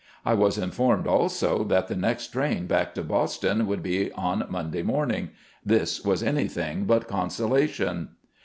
I was informed, also, that the next train back to Boston, would be on Monday morning — this was anything but consolation.